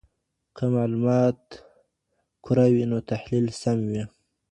که معلومات کره وي نو تحليل سم وي.